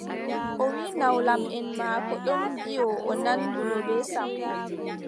O wiʼi nawlamʼen maako ɗon mbiʼi o nanduɗo bee Sammbo.